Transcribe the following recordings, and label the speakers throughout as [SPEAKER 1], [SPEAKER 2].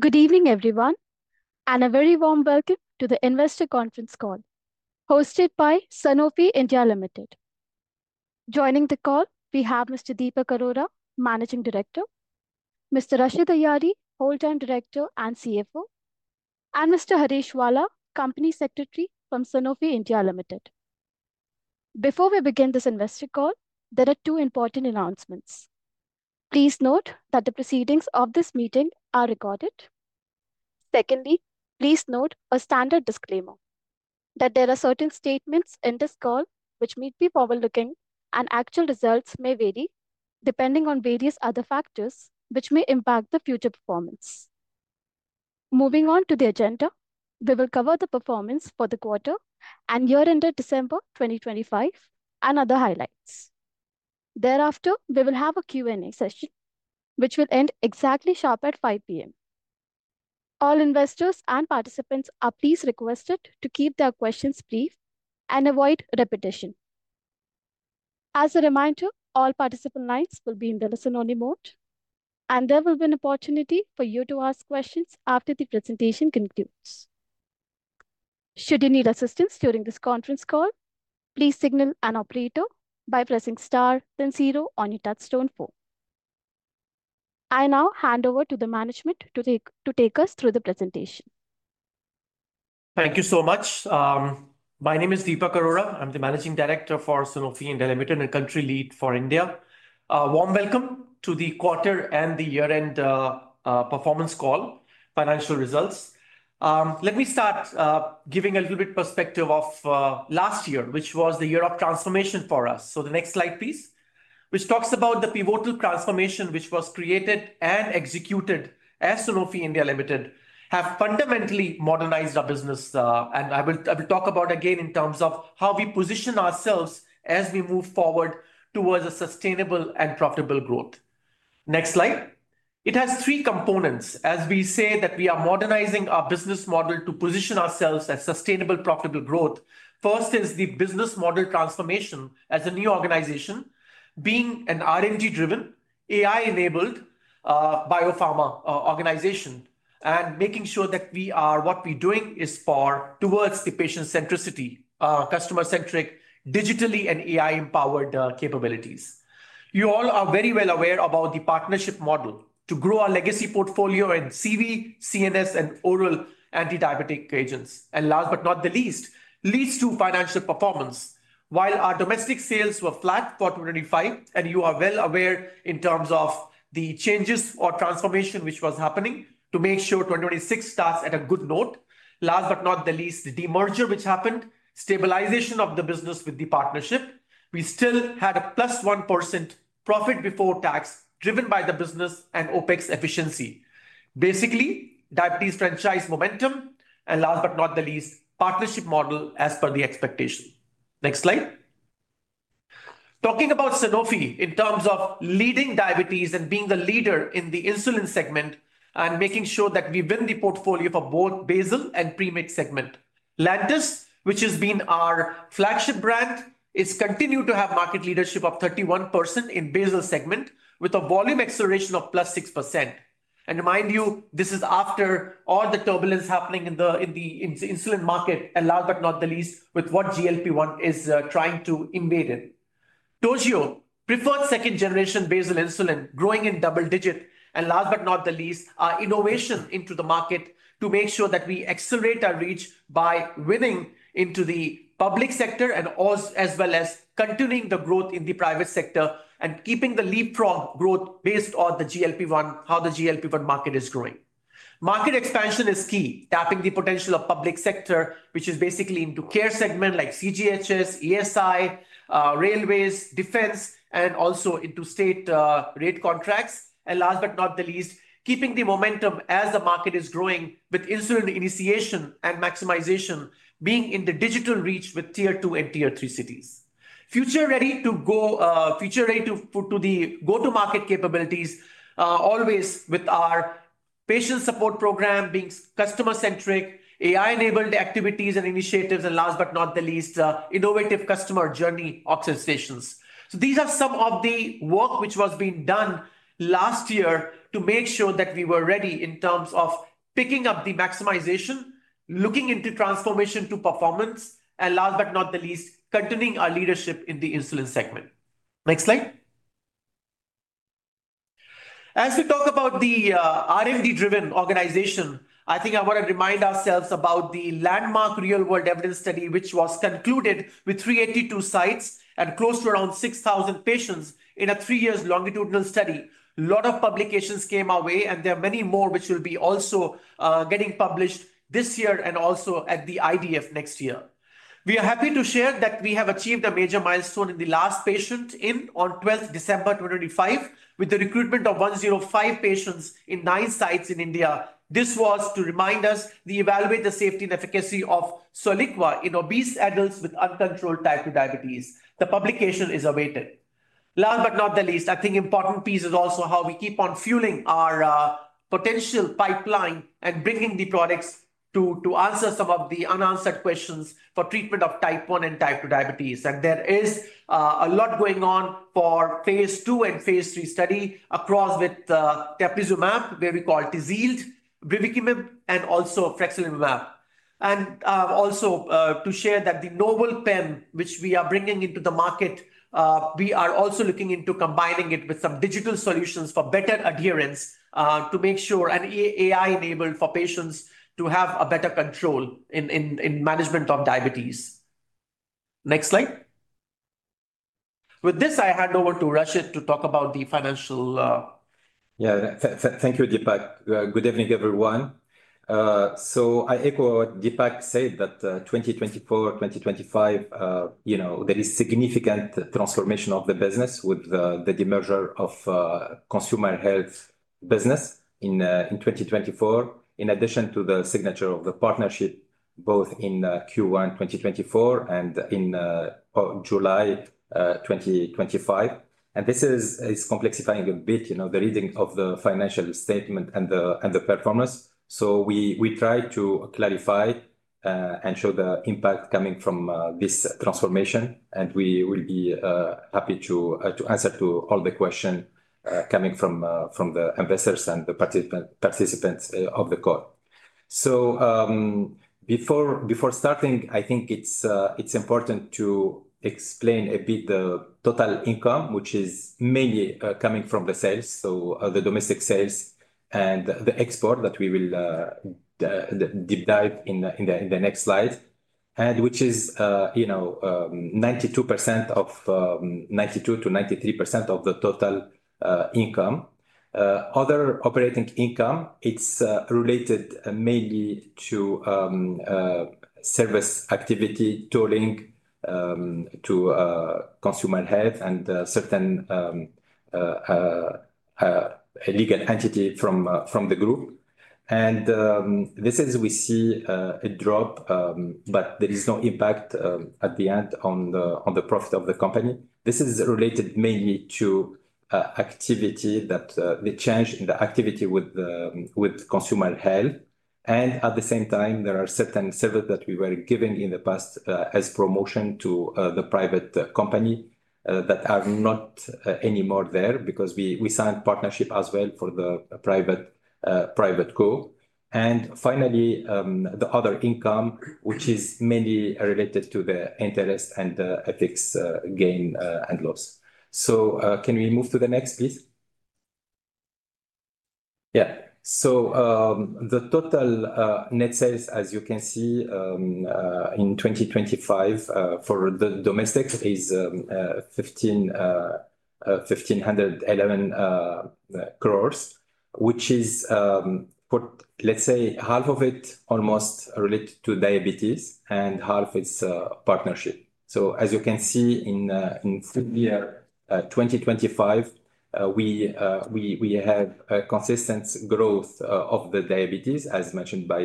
[SPEAKER 1] Good evening, everyone, a very warm welcome to the Investor Conference Call hosted by Sanofi India Limited. Joining the call, we have Mr. Deepak Arora, Managing Director, Mr. Rachid Ayari, Whole Time Director and CFO, and Mr. Haresh Vala, Company Secretary from Sanofi India Limited. Before we begin this investor call, there are two important announcements. Please note that the proceedings of this meeting are recorded. Secondly, please note a standard disclaimer that there are certain statements in this call which may be forward-looking, and actual results may vary depending on various other factors which may impact the future performance. Moving on to the agenda, we will cover the performance for the quarter and year ended December 2025, and other highlights. Thereafter, we will have a Q&A session, which will end exactly sharp at 5:00 P.M. All investors and participants are please requested to keep their questions brief and avoid repetition. As a reminder, all participant lines will be in the listen-only mode, and there will be an opportunity for you to ask questions after the presentation concludes. Should you need assistance during this conference call, please signal an operator by pressing star then zero on your touch-tone phone. I now hand over to the management to take us through the presentation.
[SPEAKER 2] Thank you so much. My name is Deepak Arora. I'm the Managing Director for Sanofi India Limited and Country Lead for India. A warm welcome to the quarter and the year-end performance call, financial results. Let me start giving a little bit perspective of last year, which was the year of transformation for us. The next slide, please, which talks about the pivotal transformation which was created and executed as Sanofi India Limited, have fundamentally modernized our business. I will talk about again in terms of how we position ourselves as we move forward towards a sustainable and profitable growth. Next slide. It has three components, as we say, that we are modernizing our business model to position ourselves as sustainable, profitable growth. First is the business model transformation as a new organization, being an R&D-driven, AI-enabled biopharma organization, making sure that we're doing is towards the patient centricity, customer centric, digitally and AI-empowered capabilities. You all are very well aware about the partnership model to grow our legacy portfolio in CV, CNS, and oral antidiabetic agents. Last but not the least, leads to financial performance. Our domestic sales were flat for 2025. You are well aware in terms of the changes or transformation which was happening, to make sure 2026 starts at a good note. Last but not the least, the demerger which happened, stabilization of the business with the partnership, we still had a +1% profit before tax, driven by the business and OpEx efficiency. Basically, diabetes franchise momentum, and last but not the least, partnership model as per the expectation. Next slide. Talking about Sanofi in terms of leading diabetes and being the leader in the insulin segment, and making sure that we win the portfolio for both basal and premixed segment. Lantus, which has been our flagship brand, is continued to have market leadership of 31% in basal segment, with a volume acceleration of +6%. Mind you, this is after all the turbulence happening in the insulin market, and last but not the least, with what GLP-1 is trying to invade it. Toujeo, preferred second-generation basal insulin, growing in double-digit. Last but not the least, our innovation into the market to make sure that we accelerate our reach by winning into the public sector as well as continuing the growth in the private sector and keeping the leapfrog growth based on the GLP-1, how the GLP-1 market is growing. Market expansion is key, tapping the potential of public sector, which is basically into care segment like CGHS, ESI, railways, defense, and also into state rate contracts. Last but not the least, keeping the momentum as the market is growing with insulin initiation and maximization, being in the digital reach with Tier 2 and Tier 3 cities. Future ready to go future ready to the go-to-market capabilities, always with our patient support program being customer-centric, AI-enabled activities and initiatives, and last but not the least, innovative customer journey optimizations. These are some of the work which was being done last year to make sure that we were ready in terms of picking up the maximization, looking into transformation to performance, and last but not the least, continuing our leadership in the insulin segment. Next slide. As we talk about the R&D-driven organization, I think I want to remind ourselves about the LANDMARC real world evidence study, which was concluded with 382 sites and close to around 6,000 patients in a three years longitudinal study. A lot of publications came our way, and there are many more which will be also getting published this year and also at the IDF next year. We are happy to share that we have achieved a major milestone in the last patient in on 12th December 2025, with the recruitment of 105 patients in nine sites in India. This was to remind us the evaluate the safety and efficacy of Soliqua in obese adults with uncontrolled type 2 diabetes. The publication is awaited. Last but not the least, I think important piece is also how we keep on fueling our potential pipeline and bringing the products to answer some of the unanswered questions for treatment of type 1 and type 2 diabetes. There is a lot going on for phase II and phase III study across with teplizumab, where we call it Tzield, Amlitelimab, and also Frexalimab. Also, to share that the AllStar, which we are bringing into the market, we are also looking into combining it with some digital solutions for better adherence, AI-enabled for patients to have a better control in management of diabetes. Next slide. With this, I hand over to Rachid to talk about the financial.
[SPEAKER 3] Thank you, Deepak. Good evening, everyone. I echo what Deepak said, that 2024, 2025, you know, there is significant transformation of the business with the demerger of consumer health business in 2024, in addition to the signature of the partnership, both in Q1 2024 and in July 2025. This is complexifying a bit, you know, the reading of the financial statement and the performance. We try to clarify and show the impact coming from this transformation, we will be happy to answer to all the question coming from the investors and the participants of the call. Before starting, I think it's important to explain a bit the total income, which is mainly coming from the sales. The domestic sales and the export that we will deep dive in the next slide, and which is, you know, 92%-93% of the total income. Other operating income, it's related mainly to service activity, tolling, to consumer health and certain legal entity from the group. This is we see a drop, but there is no impact at the end on the profit of the company. This is related mainly to activity that the change in the activity with the consumer health. At the same time, there are certain services that we were giving in the past, as promotion to the private company, that are not anymore there because we signed partnership as well for the private private co. Finally, the other income, which is mainly related to the interest and fixed gain and loss. Can we move to the next, please? Yeah. The total net sales, as you can see, in 2025, for the domestic is 1,511 crores, which is let's say, half of it almost related to diabetes, and half is partnership. As you can see in full year 2025, we have a consistent growth of the diabetes, as mentioned by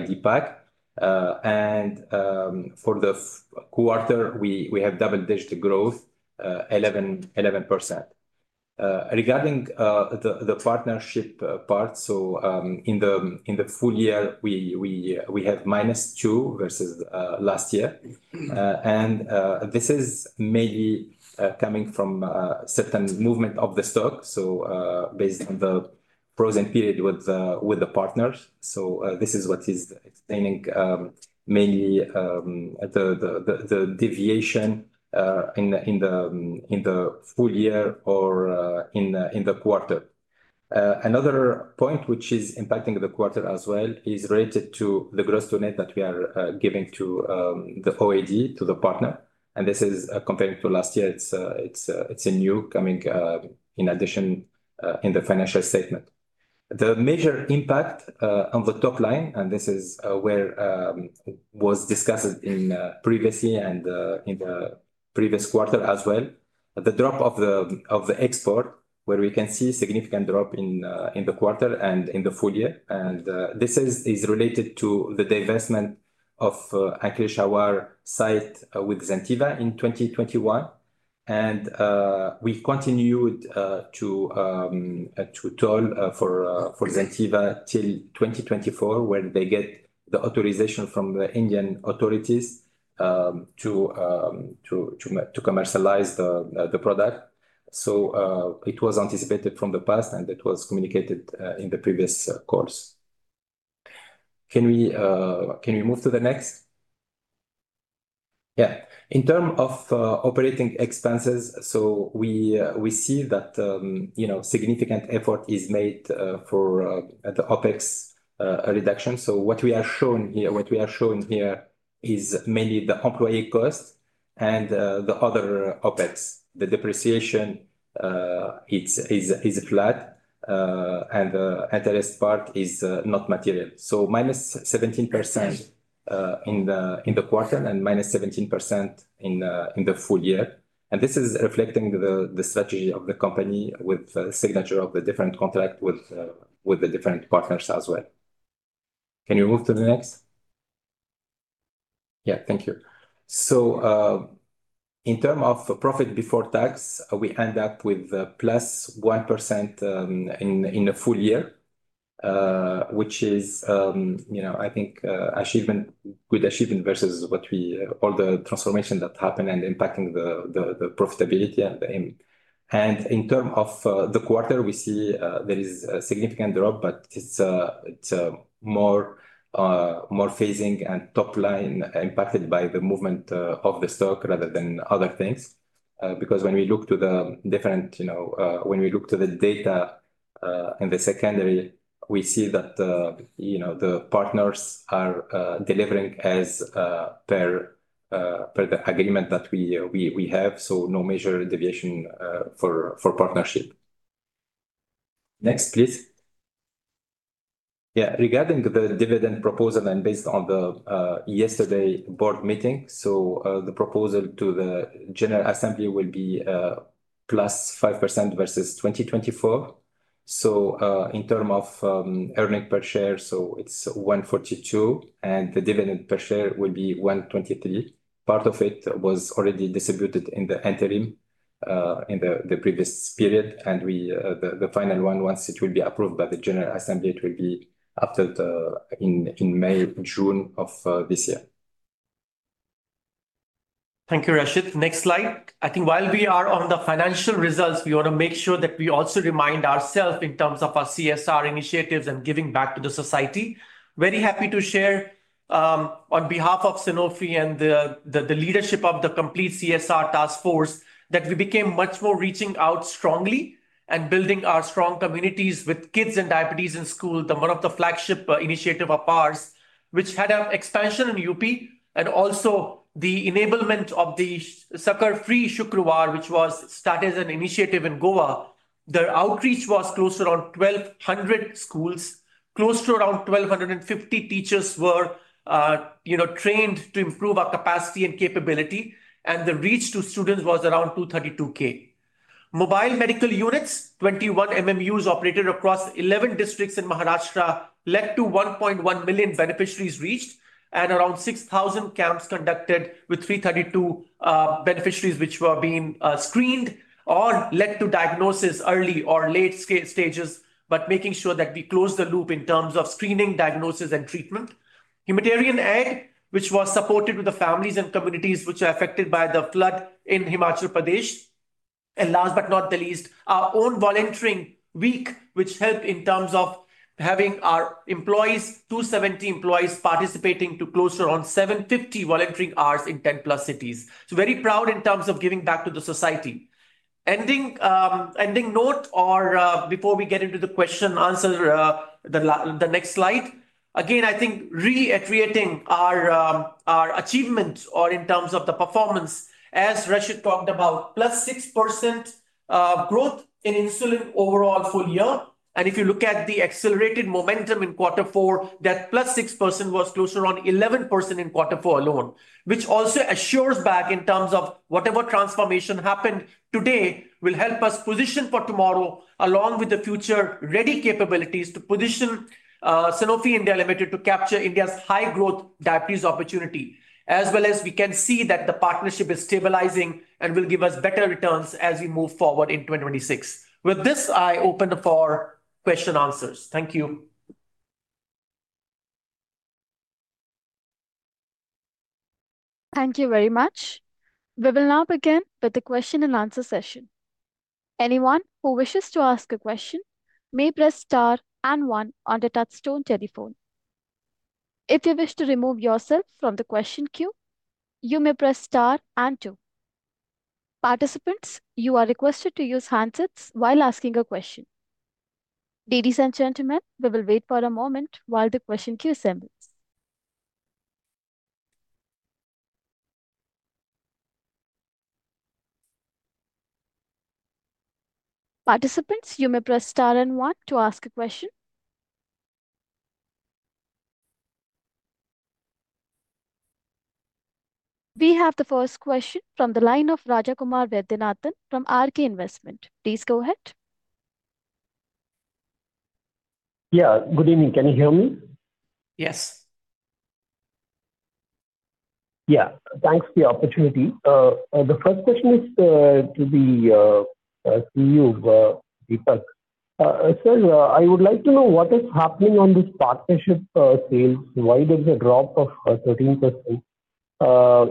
[SPEAKER 3] Deepak. For the quarter, we have double-digit growth, 11%. Regarding the partnership part, in the full year, we have -2 versus last year. This is mainly coming from certain movement of the stock, based on the frozen period with the partners. This is what is explaining mainly the deviation in the full year or in the quarter. Another point which is impacting the quarter as well is related to the gross to net that we are giving to the OAD, to the partner, and this is comparing to last year, it's a new coming in addition in the financial statement. The major impact on the top line, and this is where was discussed previously and in the previous quarter as well. The drop of the export, where we can see significant drop in the quarter and in the full year, and this is related to the divestment of Ankleshwar site with Zentiva in 2021. We continued to toll for Zentiva till 2024, when they get the authorization from the Indian authorities to commercialize the product. It was anticipated from the past, and it was communicated in the previous course. Can we move to the next? In terms of operating expenses, we see that, you know, significant effort is made for the OpEx reduction. What we are showing here is mainly the employee cost and the other OpEx. The depreciation, it is flat, and the interest part is not material. -17% in the quarter and -17% in the full year. This is reflecting the strategy of the company with the signature of the different contract with the different partners as well. Can you move to the next? Yeah. Thank you. In term of profit before tax, we end up with +1% in the full year, which is, you know, I think, achievement, good achievement versus what we, all the transformation that happened and impacting the profitability and the aim. In term of the quarter, we see there is a significant drop, but it's more, more phasing and top line impacted by the movement of the stock rather than other things. because when we look to the different, you know, when we look to the data in the secondary, we see that, you know, the partners are delivering as per the agreement that we have, so no major deviation for partnership. Next, please. Regarding the dividend proposal and based on the yesterday board meeting, the proposal to the general assembly will be +5% versus 2024. In terms of earning per share, it's 142, and the dividend per share will be 123. Part of it was already distributed in the interim, in the previous period, and we, the final one, once it will be approved by the general assembly, it will be after in May or June of this year.
[SPEAKER 2] Thank you, Rachid. Next slide. I think while we are on the financial results, we ought to make sure that we also remind ourselves in terms of our CSR initiatives and giving back to the society. Very happy to share, on behalf of Sanofi and the leadership of the complete CSR task force, that we became much more reaching out strongly and building our strong communities with kids and diabetes in school. The one of the flagship initiative of ours, which had an expansion in UP and also the enablement of the Sakhar Free Shukrawar, which was started as an initiative in Goa. The outreach was close around 1,200 schools. Close to around 1,250 teachers were, you know, trained to improve our capacity and capability, and the reach to students was around 232K. Mobile medical units, 21 MMUs operated across 11 districts in Maharashtra, led to 1.1 million beneficiaries reached, and around 6,000 camps conducted with 332 beneficiaries which were being screened or led to diagnosis early or late stages, but making sure that we close the loop in terms of screening, diagnosis, and treatment. Humanitarian aid, which was supported with the families and communities which are affected by the flood in Himachal Pradesh. Last but not the least, our own volunteering week, which helped in terms of having our employees, 270 employees, participating to close around 750 volunteering hours in 10+ cities. Very proud in terms of giving back to the society. Ending ending note or before we get into the question and answer, the next slide. I think reiterating our achievements or in terms of the performance, as Rachid talked about, +6% growth in insulin overall full year. If you look at the accelerated momentum in Q4, that +6% was closer on 11% in Q4 alone, which also assures back in terms of whatever transformation happened today will help us position for tomorrow, along with the future-ready capabilities to position Sanofi India Limited to capture India's high growth diabetes opportunity. As well as we can see that the partnership is stabilizing and will give us better returns as we move forward in 2026. With this, I open the floor question, answers. Thank you.
[SPEAKER 1] Thank you very much. We will now begin with the question and answer session. Anyone who wishes to ask a question may press star 1 on the touchtone telephone. If you wish to remove yourself from the question queue, you may press star two. Participants, you are requested to use handsets while asking a question. Ladies and gentlemen, we will wait for a moment while the question queue assembles. Participants, you may press star 1 to ask a question. We have the first question from the line of Rajakumar Vaidyanathan from RK Investment. Please go ahead.
[SPEAKER 4] Yeah. Good evening. Can you hear me?
[SPEAKER 2] Yes.
[SPEAKER 4] Yeah. Thanks for the opportunity. The first question is to the CEO Deepak. Sir, I would like to know what is happening on this partnership sales. Why there's a drop of 13%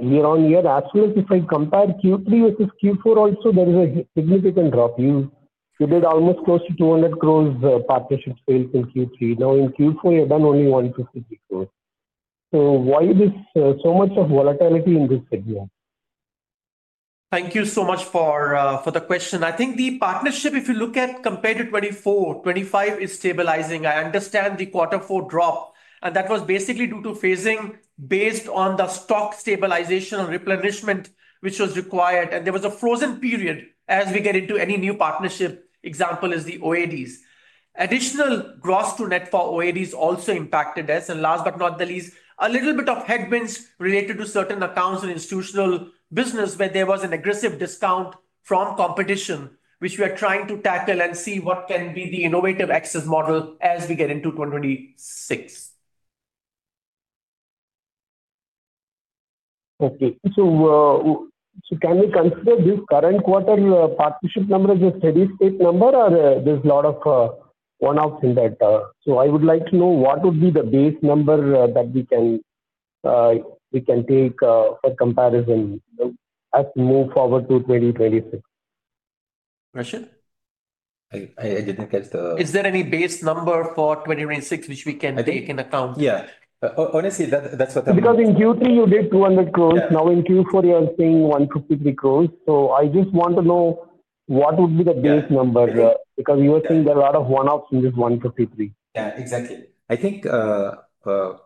[SPEAKER 4] year-on-year? Absolutely, if I compare Q3 versus Q4 also, there is a significant drop. You did almost close to 200 crores partnership sales in Q3. Now, in Q4, you've done only 153 crores. Why this so much of volatility in this figure?
[SPEAKER 2] Thank you so much for the question. I think the partnership, if you look at compared to 2024, 2025 is stabilizing. I understand the Q4 drop, and that was basically due to phasing based on the stock stabilization and replenishment which was required. There was a frozen period as we get into any new partnership, example is the OADs. Additional gross to net for OADs also impacted us. Last but not the least, a little bit of headwinds related to certain accounts and institutional business, where there was an aggressive discount from competition, which we are trying to tackle and see what can be the innovative access model as we get into 2026.
[SPEAKER 4] Can we consider this current quarter, partnership number as a steady state number, or, there's a lot of, one-offs in that? I would like to know what would be the base number, that we can, we can take, for comparison as we move forward to 2026?
[SPEAKER 2] Question?
[SPEAKER 3] I didn't catch...
[SPEAKER 2] Is there any base number for 2026 which we can take into account?
[SPEAKER 3] Yeah. honestly, that's what I-
[SPEAKER 4] In Q3 you did 200 crores.
[SPEAKER 3] Yeah.
[SPEAKER 4] Now in Q4 you are saying 153 crores. I just want to know what would be the base number?
[SPEAKER 3] Yeah.
[SPEAKER 4] You are saying there are a lot of one-offs in this 153.
[SPEAKER 3] Yeah, exactly. I think,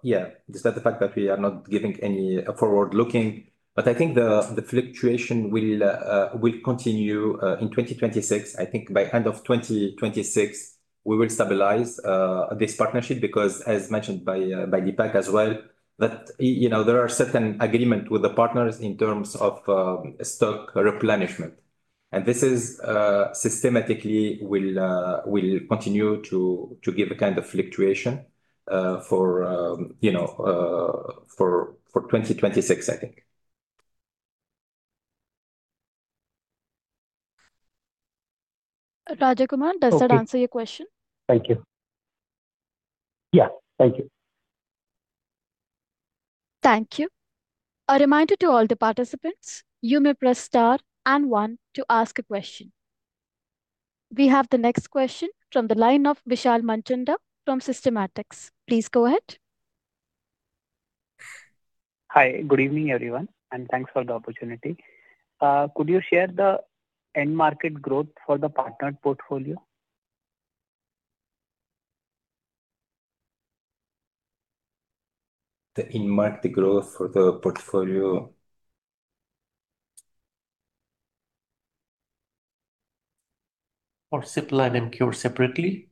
[SPEAKER 3] yeah, despite the fact that we are not giving any forward-looking, but I think the fluctuation will continue in 2026. I think by end of 2026, we will stabilize this partnership, because as mentioned by Deepak as well, that you know, there are certain agreement with the partners in terms of stock replenishment. This is systematically will continue to give a kind of fluctuation for, you know, for 2026, I think.
[SPEAKER 1] Rajakumar-
[SPEAKER 4] Okay.
[SPEAKER 1] Does that answer your question?
[SPEAKER 4] Thank you. Yeah, thank you.
[SPEAKER 1] Thank you. A reminder to all the participants, you may press star and one to ask a question. We have the next question from the line of Vishal Manchanda from Systematix. Please go ahead.
[SPEAKER 5] Hi. Good evening, everyone, and thanks for the opportunity. Could you share the end market growth for the partnered portfolio?
[SPEAKER 3] The end market growth for the portfolio.
[SPEAKER 2] For Cipla and Emcure separately?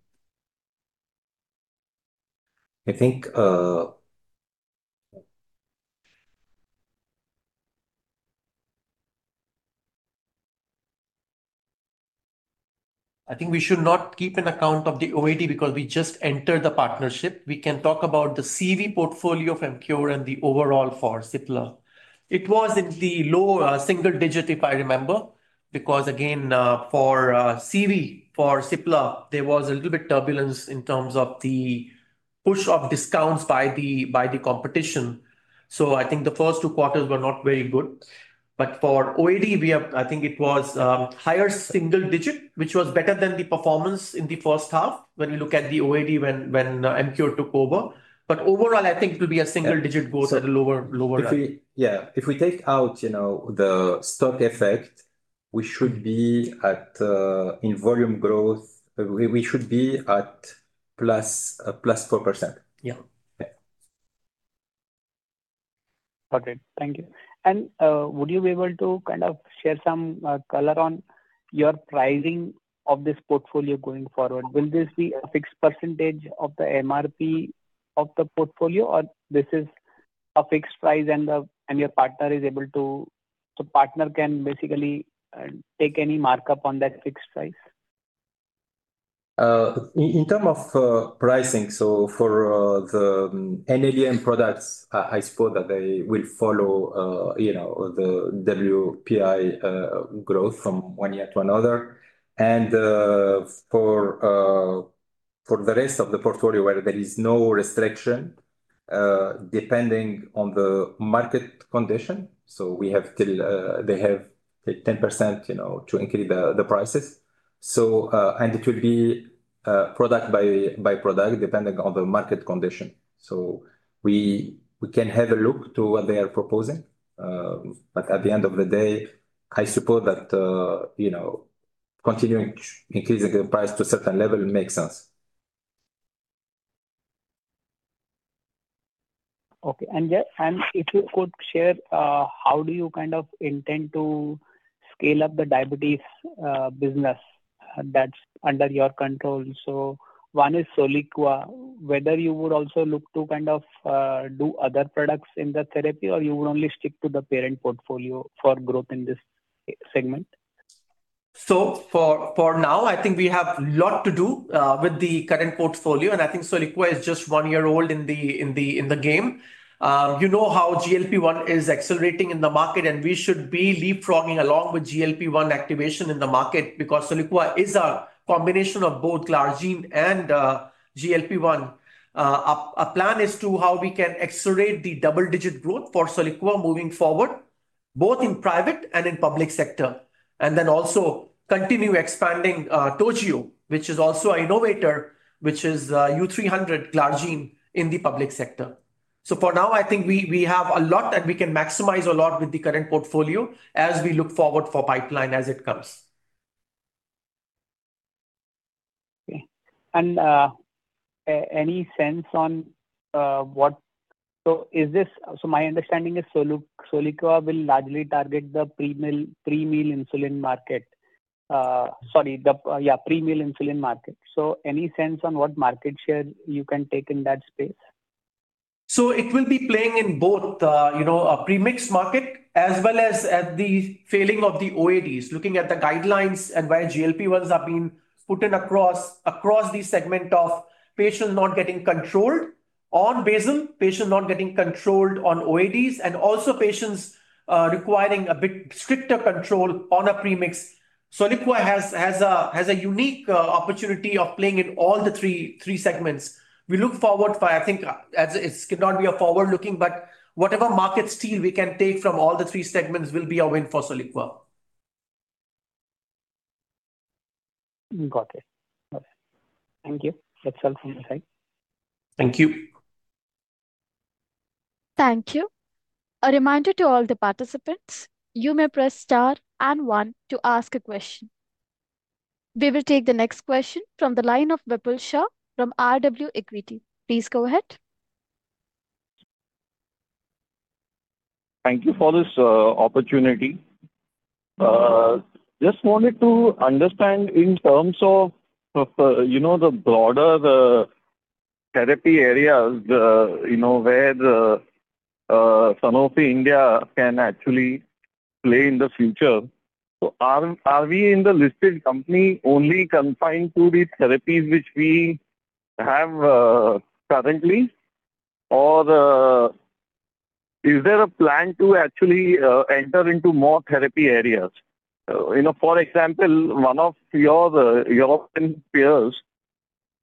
[SPEAKER 3] I think.
[SPEAKER 2] I think we should not keep an account of the OAD, because we just entered the partnership. We can talk about the CV portfolio of Emcure and the overall for Cipla. It was in the low single digit, if I remember, because again, for CV, for Cipla, there was a little bit turbulence in terms of the push of discounts by the competition. I think the first two quarters were not very good. For OAD, I think it was higher single digit, which was better than the performance in the first half when we look at the OAD when Emcure took over. Overall, I think it will be a single digit-
[SPEAKER 3] Yeah
[SPEAKER 2] growth at a lower level.
[SPEAKER 3] Yeah, if we take out, you know, the stock effect, we should be at in volume growth, we should be at plus 4%.
[SPEAKER 2] Yeah.
[SPEAKER 3] Yeah.
[SPEAKER 5] Got it. Thank you. Would you be able to kind of share some color on your pricing of this portfolio going forward? Will this be a fixed percentage of the MRP of the portfolio, or this is a fixed price and your partner can basically take any markup on that fixed price?
[SPEAKER 3] In term of pricing, for the NLEM products, I suppose that they will follow, you know, the WPI growth from one year to another. For the rest of the portfolio where there is no restriction, depending on the market condition, they have 10%, you know, to increase the prices. It will be product by product, depending on the market condition. We can have a look to what they are proposing, at the end of the day, I suppose that, you know, continuing increasing the price to a certain level makes sense.
[SPEAKER 5] Okay. And, yeah, and if you could share how do you kind of intend to scale up the diabetes business that's under your control? One is Soliqua. Whether you would also look to kind of do other products in that therapy, or you would only stick to the parent portfolio for growth in this segment?
[SPEAKER 2] For now, I think we have a lot to do with the current portfolio, and I think Soliqua is just one year old in the game. You know how GLP-1 is accelerating in the market, and we should be leapfrogging along with GLP-1 activation in the market, because Soliqua is a combination of both glargine and GLP-1. Our plan is to how we can accelerate the double-digit growth for Soliqua moving forward, both in private and in public sector. Also continue expanding Toujeo, which is also an innovator, which is U-300 glargine in the public sector. For now, I think we have a lot that we can maximize a lot with the current portfolio as we look forward for pipeline as it comes.
[SPEAKER 5] Okay. Any sense on what? My understanding is Soliqua will largely target the pre-meal insulin market. Sorry, the, yeah, pre-meal insulin market. Any sense on what market share you can take in that space?
[SPEAKER 2] It will be playing in both the, you know, pre-mix market, as well as at the failing of the OADs. Looking at the guidelines and where GLP-1s are being putting across the segment of patients not getting controlled on basal, patients not getting controlled on OADs, and also patients requiring a bit stricter control on a pre-mix. Soliqua has a unique opportunity of playing in all the three segments. We look forward for, I think, it cannot be a forward-looking, but whatever market share we can take from all the three segments will be a win for Soliqua.
[SPEAKER 5] Got it. Okay. Thank you. That's all from my side.
[SPEAKER 3] Thank you.
[SPEAKER 1] Thank you. A reminder to all the participants, you may press star and one to ask a question. We will take the next question from the line of Vipul Shah from RW Equity. Please go ahead.
[SPEAKER 6] Thank you for this opportunity. Just wanted to understand in terms of, you know, the broader therapy areas, you know, where Sanofi India can actually play in the future. Are we in the listed company only confined to the therapies which we have currently? Or, is there a plan to actually enter into more therapy areas? You know, for example, one of your European peers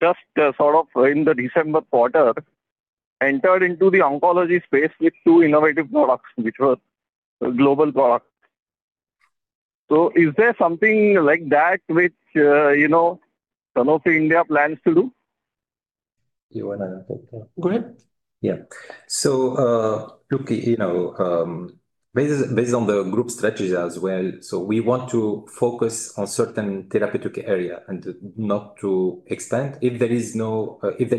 [SPEAKER 6] just sort of in the December quarter, entered into the oncology space with two innovative products, which was a global product. Is there something like that which, you know, Sanofi India plans to do?
[SPEAKER 3] Do you wanna take that?
[SPEAKER 2] Go ahead.
[SPEAKER 3] Yeah. Look, you know, based on the group strategy as well, we want to focus on certain therapeutic area, and not to extend. If there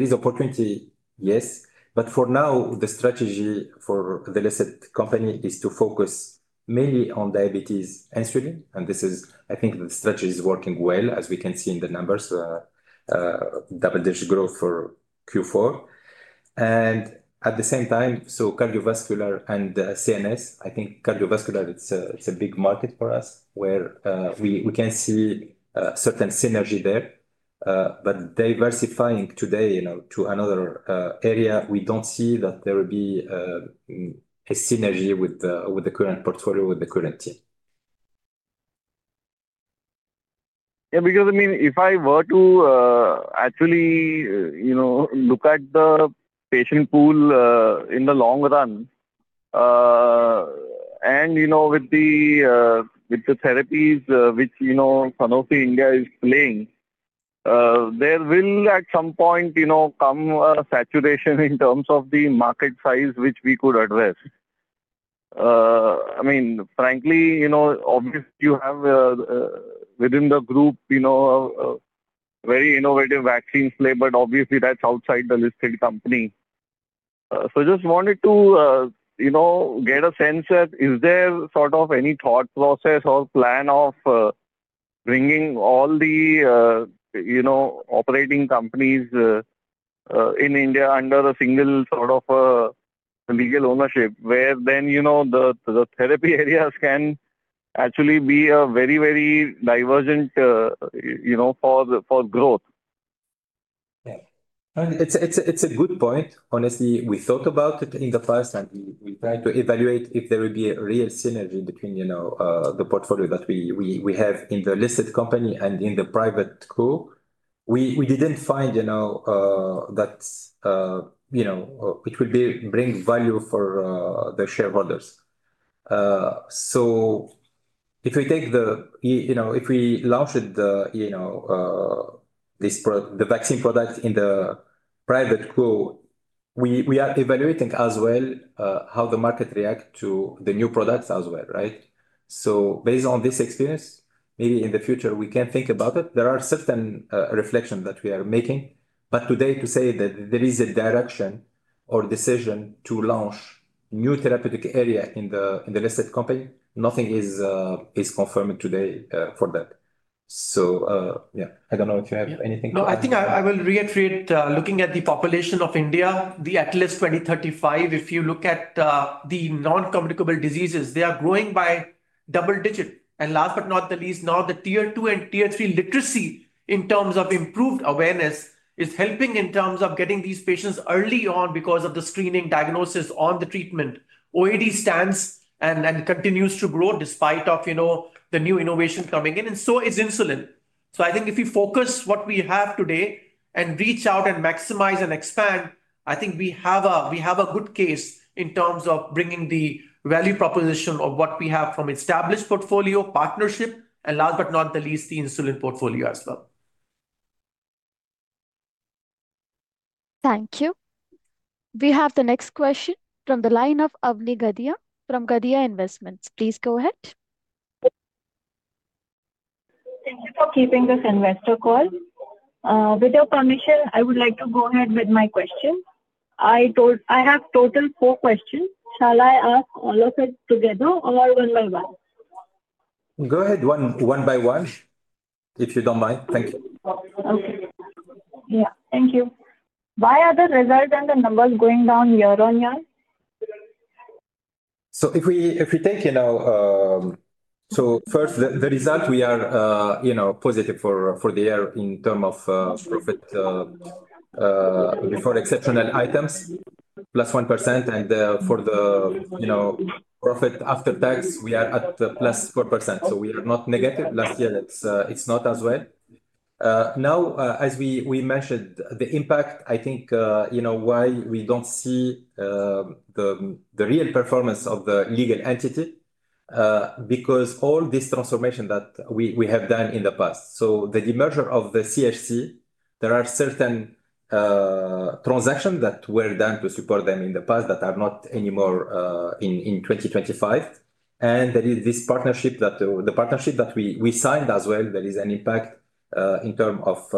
[SPEAKER 3] is opportunity, yes. For now, the strategy for the listed company is to focus mainly on diabetes and insulin. I think the strategy is working well, as we can see in the numbers, double-digit growth for Q4. At the same time, cardiovascular and CNS, I think cardiovascular, it's a big market for us, where we can see certain synergy there. Diversifying today, you know, to another area, we don't see that there will be a synergy with the current portfolio, with the current team.
[SPEAKER 6] Yeah, I mean, if I were to, actually, you know, look at the patient pool, in the long run, and, you know, with the, with the therapies, which, you know, Sanofi India is playing, there will at some point, you know, come a saturation in terms of the market size which we could address. I mean, frankly, you know, obviously you have, within the group, you know, a very innovative vaccines play, but obviously that's outside the listed company. Just wanted to, you know, get a sense that is there sort of any thought process or plan of bringing all the, you know, operating companies in India under a single sort of a legal ownership, where then, you know, the therapy areas can actually be a very, very divergent, you know, for growth?
[SPEAKER 3] It's a good point. Honestly, we thought about it in the past, we tried to evaluate if there will be a real synergy between, you know, the portfolio that we have in the listed company and in the private co. We didn't find, you know, that, you know, it would bring value for the shareholders. If we take, you know, if we launched, you know, the vaccine product in the private co, we are evaluating as well, how the market react to the new products as well, right? Based on this experience, maybe in the future we can think about it. There are certain, reflection that we are making, but today to say that there is a direction or decision to launch new therapeutic area in the, in the listed company, nothing is confirmed today for that. Yeah, I don't know if you have anything to add.
[SPEAKER 2] No, I think I will reiterate, looking at the population of India, we at least 2035, if you look at the non-communicable diseases, they are growing by double-digit. Last but not the least, now the Tier 2 and Tier 3 literacy, in terms of improved awareness, is helping in terms of getting these patients early on because of the screening, diagnosis, or the treatment. OAD stands and continues to grow despite of, you know, the new innovation coming in, and so is insulin. I think if we focus what we have today and reach out, and maximize, and expand, I think we have a good case in terms of bringing the value proposition of what we have from established portfolio, partnership, and last but not the least, the insulin portfolio as well.
[SPEAKER 1] Thank you. We have the next question from the line of Avani Gadia from Gadia Investments. Please go ahead.
[SPEAKER 7] Thank you for keeping this investor call. With your permission, I would like to go ahead with my question. I have total 4 questions. Shall I ask all of it together or one by one?
[SPEAKER 3] Go ahead one by one, if you don't mind. Thank you.
[SPEAKER 7] Okay. Yeah. Thank you. Why are the results and the numbers going down year-over-year?
[SPEAKER 3] If we take, you know, first, the result, we are, you know, positive for the year in term of profit before exceptional items, +1%. For the, you know, profit after tax, we are at +4%, so we are not negative. Last year it's not as well. Now, as we mentioned, the impact, I think, you know, why we don't see the real performance of the legal entity because all this transformation that we have done in the past. The demerger of the CHC, there are certain transactions that were done to support them in the past that are not anymore in 2025. There is this partnership, the partnership that we signed as well, there is an impact in term of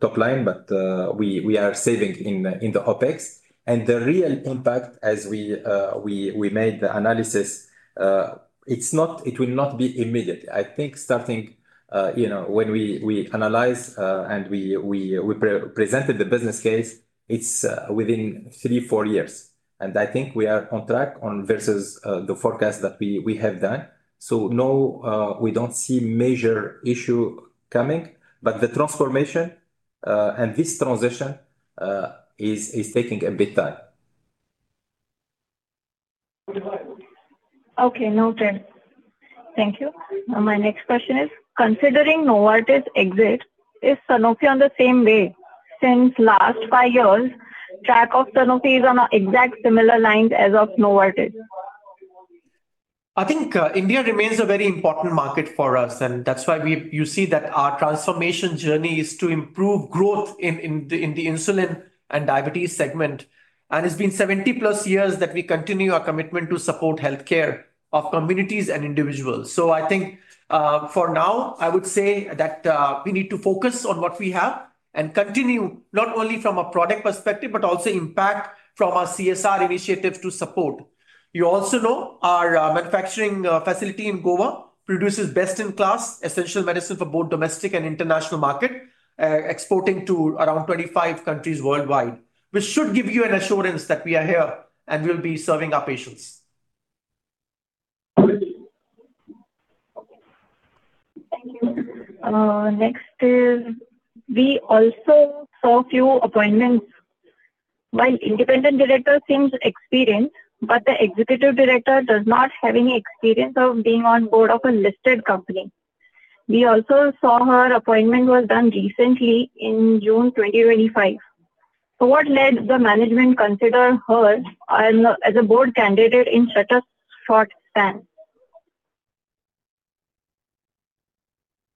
[SPEAKER 3] top line, but we are saving in the OpEx. The real impact as we made the analysis, it will not be immediate. I think starting, you know, when we analyze and we pre-presented the business case, it's within three, four years. I think we are on track on versus the forecast that we have done. No, we don't see major issue coming, but the transformation and this transition is taking a bit time.
[SPEAKER 7] Okay, noted. Thank you. My next question is: considering Novartis exit, is Sanofi on the same way? Since last five years, track of Sanofi is on an exact similar lines as of Novartis.
[SPEAKER 2] I think, India remains a very important market for us, and that's why you see that our transformation journey is to improve growth in the insulin and diabetes segment. It's been 70-plus years that we continue our commitment to support healthcare of communities and individuals. I think, for now, I would say that, we need to focus on what we have and continue, not only from a product perspective, but also impact from our CSR initiatives to support. You also know our manufacturing facility in Goa produces best-in-class essential medicine for both domestic and international market, exporting to around 25 countries worldwide, which should give you an assurance that we are here, and we'll be serving our patients.
[SPEAKER 7] Okay. Thank you. Next is: we also saw few appointments. While independent director seems experienced, the executive director does not have any experience of being on board of a listed company. We also saw her appointment was done recently in June 2025. What led the management consider her as a board candidate in such a short span?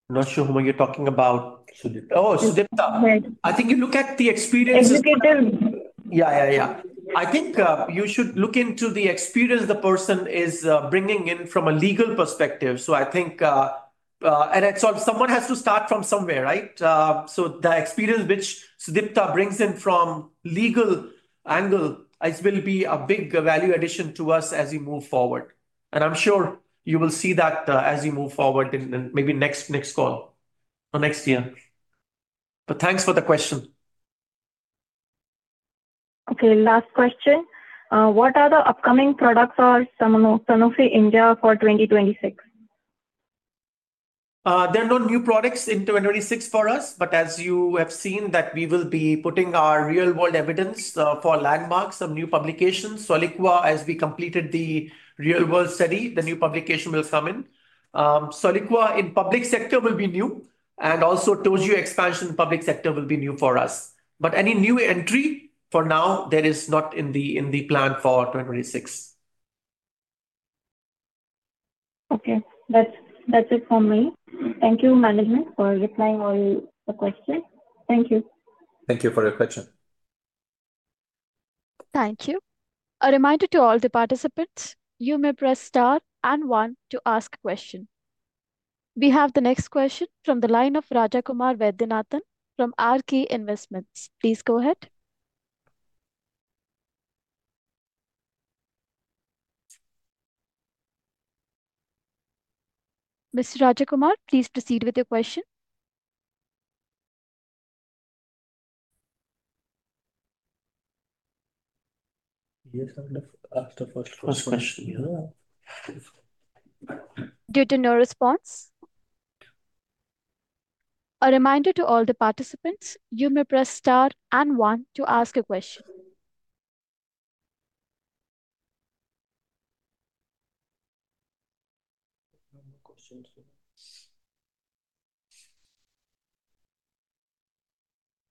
[SPEAKER 2] Not sure whom you're talking about.
[SPEAKER 3] Sudipta.
[SPEAKER 2] Oh, Sudipta!
[SPEAKER 7] Right.
[SPEAKER 2] I think you look at the experience...
[SPEAKER 7] Executive.
[SPEAKER 2] Yeah, yeah. I think you should look into the experience the person is bringing in from a legal perspective. I think it's someone has to start from somewhere, right? The experience which Sudipta brings in from legal angle will be a big value addition to us as we move forward. I'm sure you will see that as we move forward in maybe next call or next year. Thanks for the question.
[SPEAKER 7] Okay, last question. What are the upcoming products for Sanofi India for 2026?
[SPEAKER 2] There are no new products in 2026 for us, but as you have seen, that we will be putting our real-world evidence for LANDMARC, some new publications. Soliqua, as we completed the real-world study, the new publication will come in. Soliqua in public sector will be new, and also Toujeo expansion public sector will be new for us. Any new entry, for now, that is not in the, in the plan for 2026.
[SPEAKER 7] Okay. That's it for me. Thank you, management, for replying all the questions. Thank you.
[SPEAKER 3] Thank you for your question.
[SPEAKER 1] Thank you. A reminder to all the participants, you may press star and one to ask a question. We have the next question from the line of Rajakumar Vaidyanathan from RK Investments. Please go ahead. Mr. Rajakumar, please proceed with your question.
[SPEAKER 4] Yes, I want to ask the first question. Yeah.
[SPEAKER 1] Due to no response. A reminder to all the participants, you may press star and one to ask a question.
[SPEAKER 4] No more questions.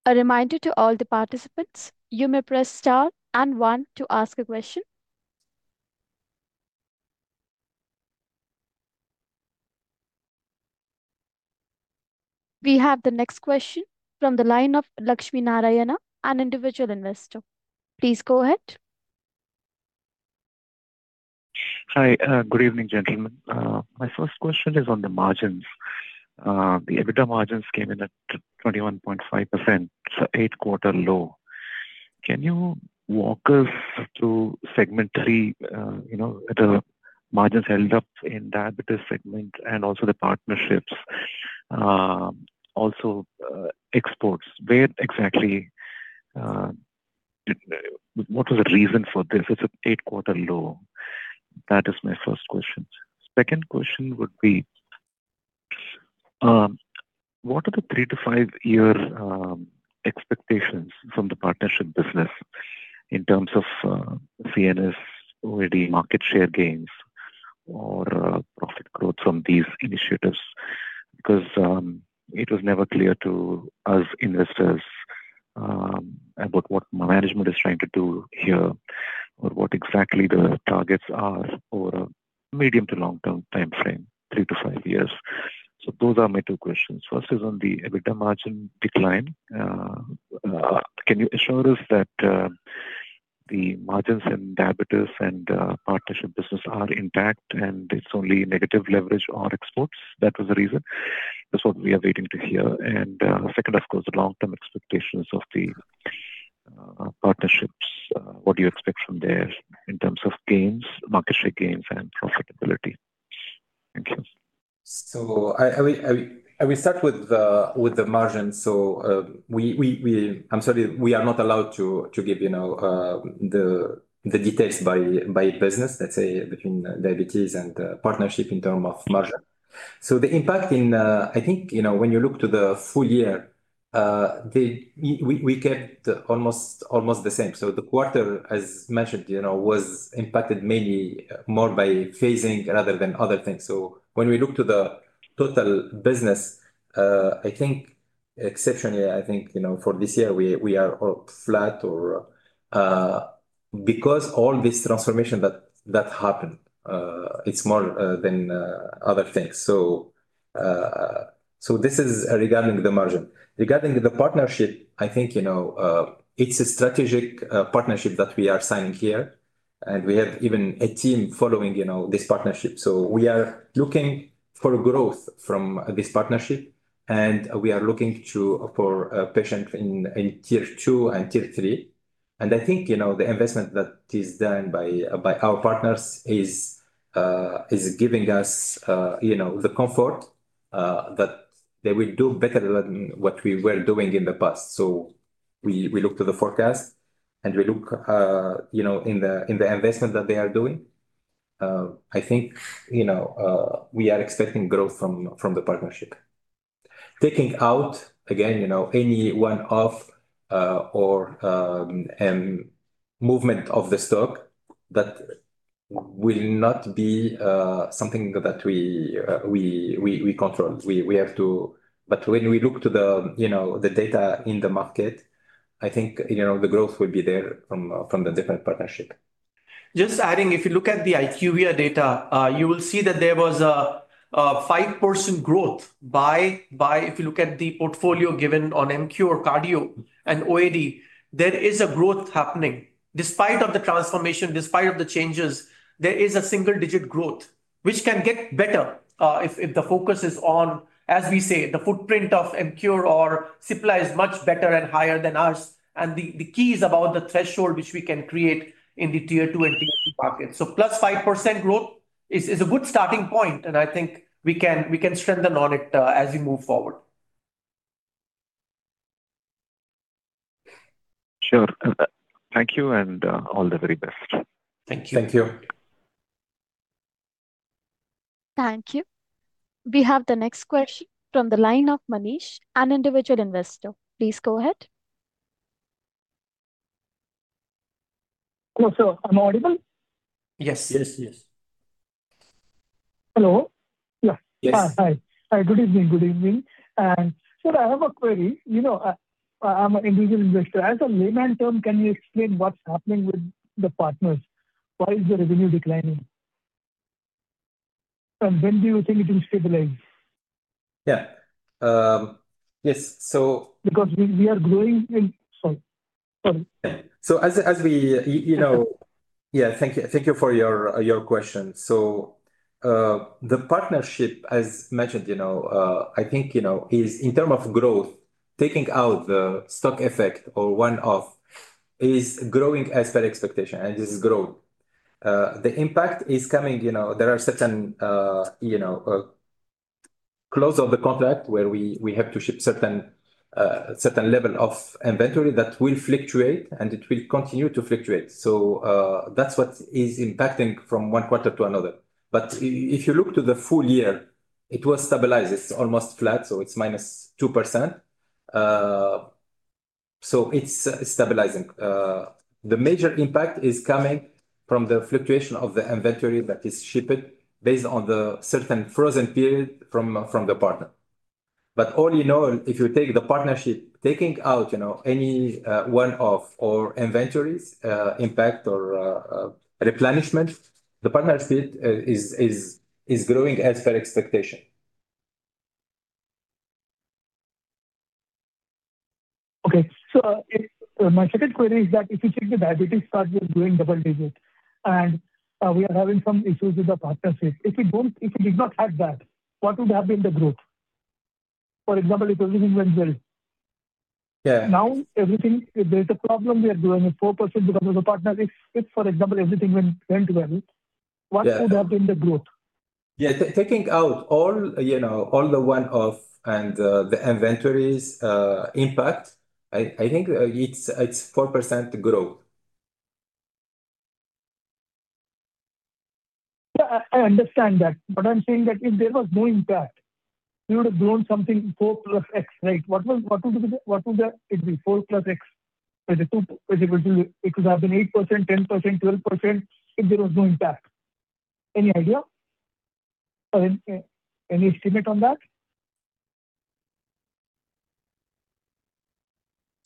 [SPEAKER 1] A reminder to all the participants, you may press star and one to ask a question. We have the next question from the line of Lakshmi Narayana, an individual investor. Please go ahead.
[SPEAKER 8] Hi. Good evening, gentlemen. My first question is on the margins. The EBITDA margins came in at 21.5%, it's a 8-quarter low. Can you walk us through segmentally, margins held up in diabetes segment and also the partnerships, also exports. Where exactly, what was the reason for this? It's an 8-quarter low. That is my first question. Second question would be: What are the 3-5-year expectations from the partnership business in terms of CNS, OAD, market share gains or profit growth from these initiatives? It was never clear to us investors about what management is trying to do here, or what exactly the targets are over a medium to long-term timeframe, 3-5 years. Those are my two questions. First is on the EBITDA margin decline. Can you assure us that the margins in diabetes and partnership business are intact, and it's only negative leverage on exports, that was the reason? That's what we are waiting to hear. Second, of course, the long-term expectations of the partnerships. What do you expect from there in terms of gains, market share gains, and profitability? Thank you.
[SPEAKER 3] I will start with the margins. I'm sorry, we are not allowed to give, you know, the details by business, let's say, between diabetes and partnership in term of margin. The impact in. I think, you know, when you look to the full year, we kept almost the same. The quarter, as mentioned, you know, was impacted mainly more by phasing rather than other things. When we look to the total business, I think exceptionally, I think, you know, for this year, we are all flat or. Because all this transformation that happened, it's more than other things. This is regarding the margin. Regarding the partnership, I think, you know, it's a strategic partnership that we are signing here. We have even a team following, you know, this partnership. We are looking for growth from this partnership, and we are looking for patient in Tier 2 and Tier 3. I think, you know, the investment that is done by our partners is giving us, you know, the comfort that they will do better than what we were doing in the past. We look to the forecast, and we look, you know, in the investment that they are doing. I think, you know, we are expecting growth from the partnership. Taking out, again, you know, any one-off, or movement of the stock, that will not be something that we control. When we look to the, you know, the data in the market, I think, you know, the growth will be there from the different partnership.
[SPEAKER 2] Just adding, if you look at the IQVIA data, you will see that there was a 5% growth. If you look at the portfolio given on NQ or cardio and OAD, there is a growth happening. Despite of the transformation, despite of the changes, there is a single-digit growth, which can get better if the focus is on, as we say, the footprint of NQ or supply is much better and higher than ours. The key is about the threshold which we can create in the Tier two and Tier three market. +5% growth is a good starting point, and I think we can strengthen on it as we move forward.
[SPEAKER 8] Sure. Thank you, and all the very best.
[SPEAKER 3] Thank you.
[SPEAKER 2] Thank you.
[SPEAKER 1] Thank you. We have the next question from the line of Manish, an individual investor. Please go ahead. Hello, sir. Am I audible?
[SPEAKER 3] Yes.
[SPEAKER 2] Yes, yes. Hello? Yeah.
[SPEAKER 3] Yes. Hi. Hi, good evening, good evening. Sir, I have a query. You know, I'm an individual investor. As a layman term, can you explain what's happening with the partners? Why is the revenue declining, and when do you think it will stabilize? Yeah. Yes. We are growing in... Sorry. Yeah. As, as we, you know. Yeah, thank you. Thank you for your question. The partnership, as mentioned, you know, I think, you know, is in term of growth, taking out the stock effect or one-off, is growing as per expectation, and this is growth. The impact is coming, you know, there are certain, you know, close of the contract where we have to ship certain level of inventory that will fluctuate, and it will continue to fluctuate. That's what is impacting from one quarter to another. If you look to the full year, it will stabilize. It's almost flat, so it's -2%. It's stabilizing. The major impact is coming from the fluctuation of the inventory that is shipped based on the certain frozen period from the partner. All you know, if you take the partnership, taking out, you know, any one-off or inventories impact, or replenishment, the partnership is growing as per expectation. Okay. My second query is that if you take the diabetes part, we're doing double digit, and, we are having some issues with the partnership. If we did not have that, what would have been the growth? For example, if everything went well. Yeah. Now, everything If there's a problem, we are doing a 4% because of the partnership. If, for example, everything went well. Yeah... what could have been the growth? Yeah. Taking out all, you know, all the one-off and the inventories impact, I think it's 4% growth. Yeah, I understand that, but I'm saying that if there was no impact, you would have grown something 4 plus X, right? What would the X be, 4 plus X? Was it 2? It could have been 8%, 10%, 12% if there was no impact. Any idea? Any, any estimate on that?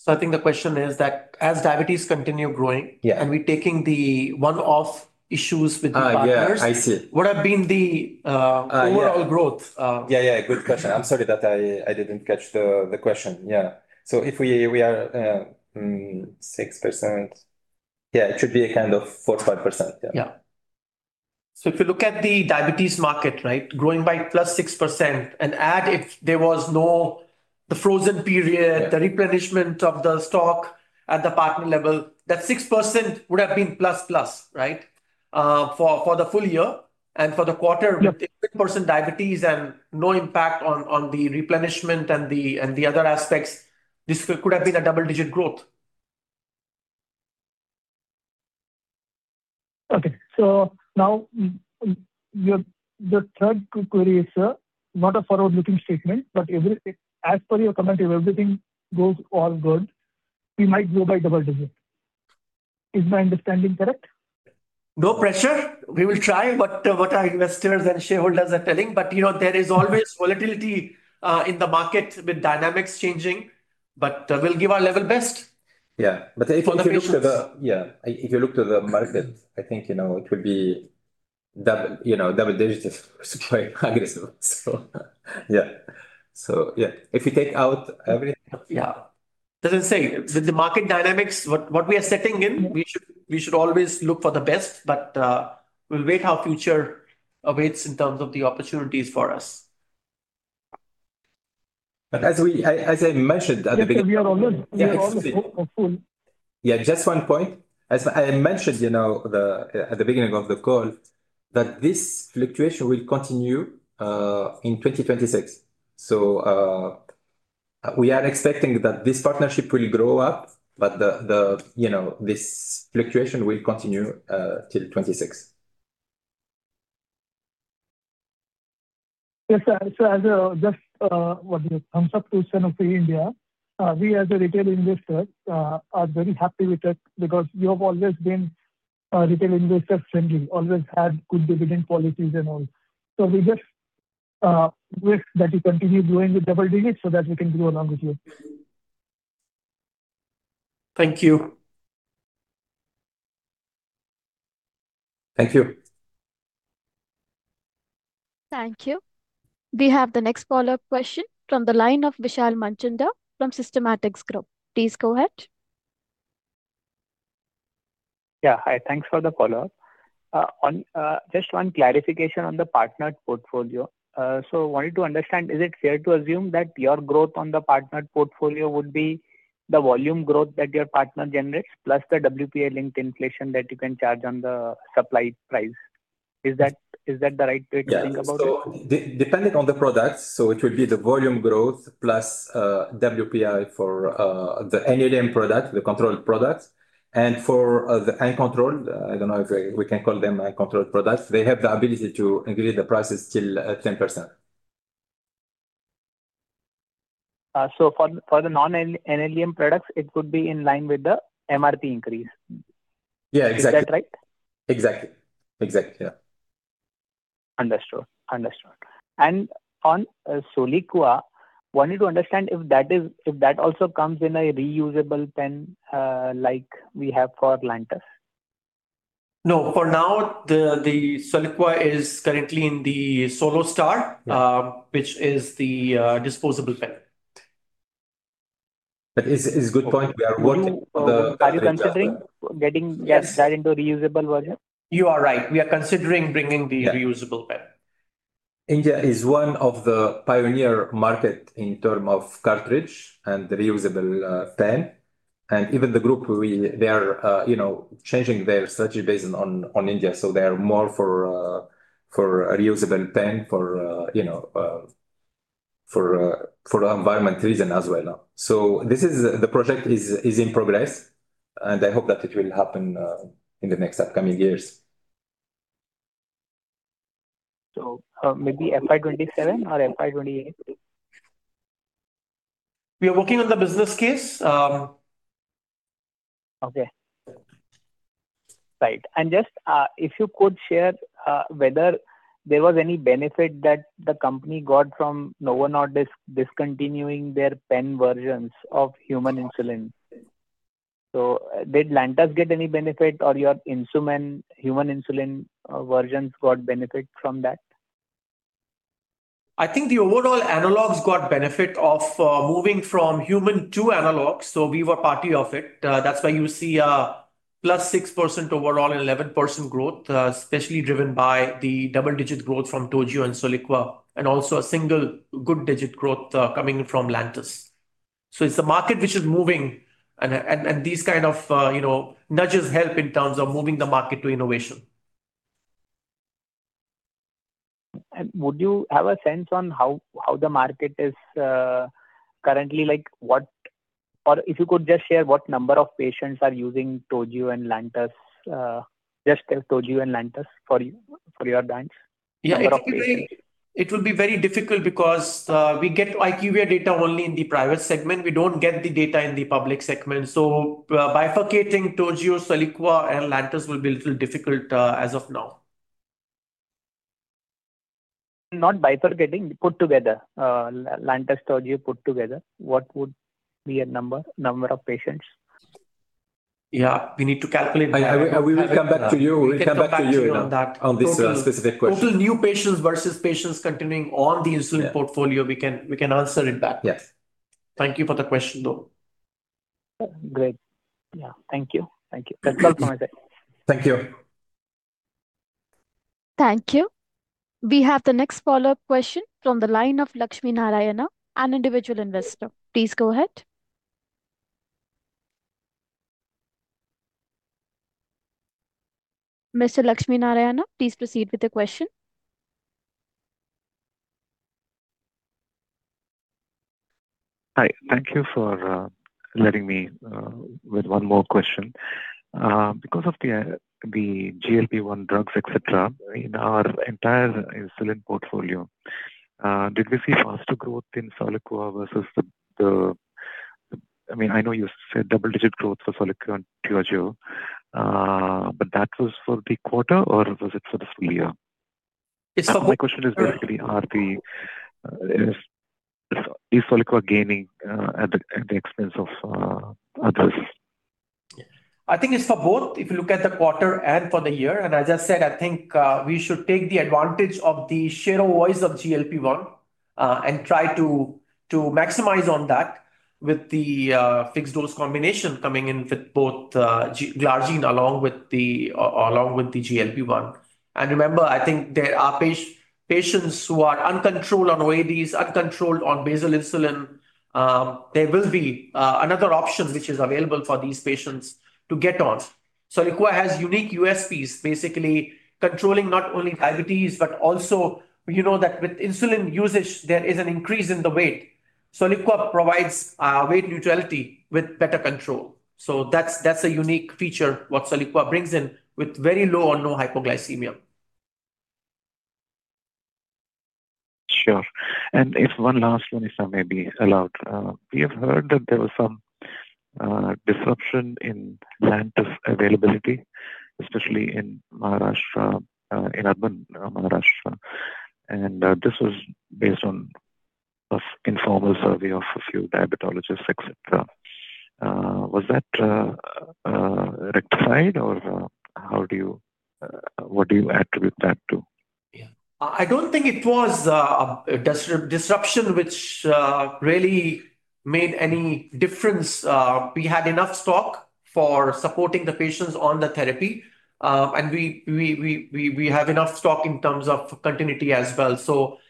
[SPEAKER 2] I think the question is that as diabetes continue growing.
[SPEAKER 3] Yeah.
[SPEAKER 2] Are we taking the one-off issues with the partners?
[SPEAKER 3] Yeah, I see.
[SPEAKER 2] What have been the?
[SPEAKER 3] Yeah.
[SPEAKER 2] overall growth?
[SPEAKER 3] Yeah, yeah, good question. I'm sorry that I didn't catch the question. Yeah. If we are 6%... Yeah, it should be a kind of 4%-5%. Yeah.
[SPEAKER 2] Yeah. If you look at the diabetes market, right, growing by +6%, and add if there was the frozen period-
[SPEAKER 3] Yeah
[SPEAKER 2] the replenishment of the stock at the partner level, that 6% would have been plus, right? For the full year and for the quarter-.
[SPEAKER 3] Yeah.
[SPEAKER 2] With the 6% diabetes and no impact on the replenishment and the other aspects, this could have been a double-digit growth. Now, the third query is not a forward-looking statement, but as per your comment, if everything goes all good, we might go by double digit. Is my understanding correct? No pressure. We will try what our investors and shareholders are telling. You know, there is always volatility, in the market with dynamics changing. We'll give our level best.
[SPEAKER 3] Yeah, if you look to.
[SPEAKER 2] For the patients.
[SPEAKER 3] Yeah. If you look to the market, I think, you know, it could be double, you know, double digits supply aggressive. Yeah. Yeah, if you take out everything...
[SPEAKER 2] Yeah. As I say, with the market dynamics, what we are sitting in-
[SPEAKER 3] Mm-hmm...
[SPEAKER 2] we should always look for the best, but we'll wait how future awaits in terms of the opportunities for us.
[SPEAKER 3] As I, as I mentioned at the beginning. Yes, we are on good. Yes. We are on the call. Yeah, just 1 point. As I mentioned, you know, the at the beginning of the call, that this fluctuation will continue in 2026. We are expecting that this partnership will grow up, but the, you know, this fluctuation will continue till 2026. Yes, sir. As just thumbs up to Sanofi India, we as a retail investor, are very happy with it, because you have always been a retail investor-friendly. Always had good dividend policies and all. We just wish that you continue growing with double digits so that we can grow along with you.
[SPEAKER 2] Thank you.
[SPEAKER 3] Thank you.
[SPEAKER 1] Thank you. We have the next follow-up question from the line of Vishal Manchanda from Systematix Group. Please go ahead.
[SPEAKER 5] Yeah. Hi, thanks for the follow-up. Just one clarification on the partnered portfolio. wanted to understand, is it fair to assume that your growth on the partnered portfolio would be the volume growth that your partner generates, plus the WPI linked inflation that you can charge on the supply price? Is that the right way to think about it?
[SPEAKER 3] Yeah. Depending on the products, it will be the volume growth plus WPI for the NLEM product, the controlled products, and for the uncontrolled, I don't know if I, we can call them uncontrolled products, they have the ability to increase the prices till 10%.
[SPEAKER 5] For, for the non-NLEM products, it would be in line with the MRP increase?
[SPEAKER 3] Yeah, exactly.
[SPEAKER 5] Is that right?
[SPEAKER 3] Exactly. Exactly, yeah.
[SPEAKER 5] Understood. On Soliqua, wanted to understand if that also comes in a reusable pen, like we have for Lantus?
[SPEAKER 2] No, for now, the Soliqua is currently in the SoloStar.
[SPEAKER 3] Yeah
[SPEAKER 2] which is the disposable pen.
[SPEAKER 3] It's a good point. We are working.
[SPEAKER 5] Are you considering getting just that into reusable version?
[SPEAKER 2] You are right. We are considering bringing.
[SPEAKER 3] Yeah
[SPEAKER 2] reusable pen.
[SPEAKER 3] India is one of the pioneer market in terms of cartridge and reusable pen. Even the Group, we, they are, you know, changing their strategy based on India. They are more for a reusable pen for, you know, for environment reason as well. The project is in progress, and I hope that it will happen in the next upcoming years.
[SPEAKER 5] Maybe FY 2027 or FY 2028?
[SPEAKER 2] We are working on the business case.
[SPEAKER 5] Okay. Right. Just, if you could share, whether there was any benefit that the company got from Novo Nordisk discontinuing their pen versions of human insulin. Did Lantus get any benefit, or your Insuman human insulin, versions got benefit from that?
[SPEAKER 2] I think the overall analogs got benefit of moving from human to analog, so we were party of it. That's why you see +6% overall and 11% growth, especially driven by the double-digit growth from Toujeo and Soliqua, and also a single good digit growth coming from Lantus. It's a market which is moving, and these kind of, you know, nudges help in terms of moving the market to innovation.
[SPEAKER 5] Would you have a sense on how the market is currently, like, Or if you could just share what number of patients are using just Toujeo and Lantus for you, for your brands?
[SPEAKER 2] Yeah, it will be.
[SPEAKER 5] Number of patients.
[SPEAKER 2] It will be very difficult because we get IQVIA data only in the private segment. We don't get the data in the public segment. Bifurcating Toujeo, Soliqua, and Lantus will be a little difficult as of now....
[SPEAKER 5] not bifurcating, put together, Lantus Toujeo put together, what would be a number of patients?
[SPEAKER 2] Yeah, we need to calculate that.
[SPEAKER 3] We will come back to you. We will come back to you on that.
[SPEAKER 2] On that-
[SPEAKER 3] On this, specific question.
[SPEAKER 2] Total new patients versus patients continuing on the insulin-
[SPEAKER 3] Yeah
[SPEAKER 2] portfolio, we can answer it back.
[SPEAKER 3] Yes.
[SPEAKER 2] Thank you for the question, though.
[SPEAKER 5] Great. Yeah, thank you. Thank you. That's all from my side.
[SPEAKER 3] Thank you.
[SPEAKER 1] Thank you. We have the next follow-up question from the line of Lakshmi Narayana, an individual investor. Please go ahead. Mr. Lakshmi Narayana, please proceed with the question.
[SPEAKER 8] Hi. Thank you for letting me with one more question. Because of the GLP-1 drugs, et cetera, in our entire insulin portfolio, did we see faster growth in Soliqua versus? I mean, I know you said double-digit growth for Soliqua and Toujeo, but that was for the quarter or was it for the full year?
[SPEAKER 2] It's for-
[SPEAKER 8] My question is basically, is Soliqua gaining at the expense of others?
[SPEAKER 2] I think it's for both, if you look at the quarter and for the year. As I said, I think we should take the advantage of the share of voice of GLP-1 and try to maximize on that with the fixed-dose combination coming in with both glargine along with the GLP-1. Remember, I think there are patients who are uncontrolled on OADs, uncontrolled on basal insulin, there will be another option which is available for these patients to get on. Soliqua has unique USPs, basically controlling not only diabetes, but also you know that with insulin usage there is an increase in the weight. Soliqua provides weight neutrality with better control, so that's a unique feature, what Soliqua brings in, with very low or no hypoglycemia.
[SPEAKER 8] Sure. If one last one, if may be allowed. We have heard that there was some disruption in Lantus availability, especially in Maharashtra, in urban Maharashtra, and this was based on an informal survey of a few diabetologists, et cetera. Was that rectified, or what do you attribute that to?
[SPEAKER 2] I don't think it was a disruption which really made any difference. We had enough stock for supporting the patients on the therapy, and we have enough stock in terms of continuity as well.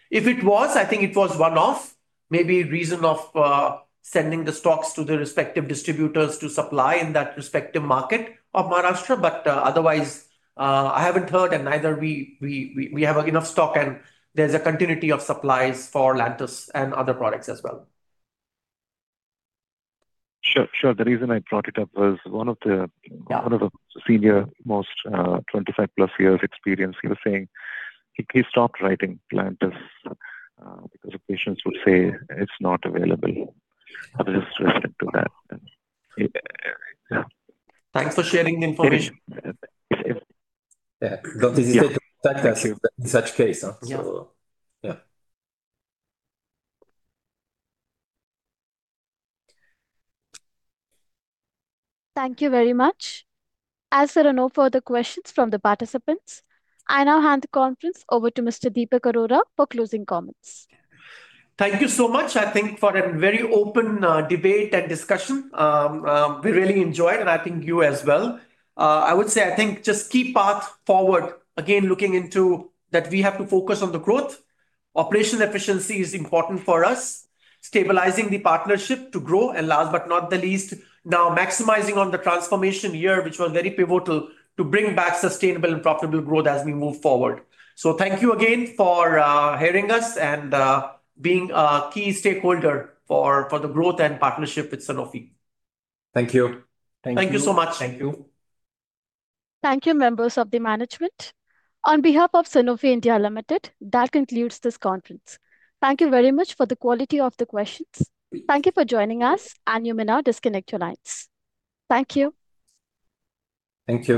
[SPEAKER 2] If it was, I think it was one-off, maybe reason of sending the stocks to the respective distributors to supply in that respective market of Maharashtra. Otherwise, I haven't heard, and neither we have enough stock and there's a continuity of supplies for Lantus and other products as well.
[SPEAKER 8] Sure, sure. The reason I brought it up was.
[SPEAKER 2] Yeah...
[SPEAKER 8] one of the senior-most, 25+ years experience, he was saying he stopped writing Lantus because the patients would say it's not available. I was just reacting to that. Yeah.
[SPEAKER 2] Thanks for sharing the information.
[SPEAKER 3] Yeah.
[SPEAKER 2] Yeah.
[SPEAKER 3] This is in such case, huh?
[SPEAKER 2] Yeah.
[SPEAKER 3] Yeah.
[SPEAKER 1] Thank you very much. As there are no further questions from the participants, I now hand the conference over to Mr. Deepak Arora for closing comments.
[SPEAKER 2] Thank you so much, I think, for a very open debate and discussion. We really enjoyed, and I think you as well. I would say, I think just key path forward, again, looking into that we have to focus on the growth. Operation efficiency is important for us, stabilizing the partnership to grow, and last but not the least, now maximizing on the transformation year, which was very pivotal to bring back sustainable and profitable growth as we move forward. Thank you again for hearing us and being a key stakeholder for the growth and partnership with Sanofi.
[SPEAKER 3] Thank you.
[SPEAKER 2] Thank you.
[SPEAKER 3] Thank you so much.
[SPEAKER 2] Thank you.
[SPEAKER 1] Thank you, members of the management. On behalf of Sanofi India Limited, that concludes this conference. Thank you very much for the quality of the questions. Thank you for joining us, and you may now disconnect your lines. Thank you.
[SPEAKER 3] Thank you.